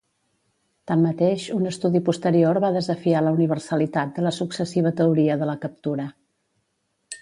Tanmateix, un estudi posterior va desafiar la universalitat de la successiva teoria de la captura.